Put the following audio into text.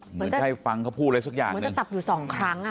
เหมือนให้ฟังเขาพูดอะไรสักอย่างหนึ่ง